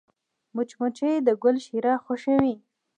مچمچۍ د ګل شیره خوښوي